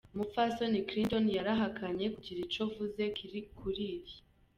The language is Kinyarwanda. Umupfasoni Clinton yarahakanye kugira ico avuze kuri ivyo.